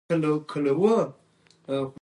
پښتو ژبه مو په دې پوهه کې مرسته کوي.